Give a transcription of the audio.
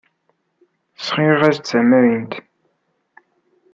Sɣiɣ-as-d tamrint.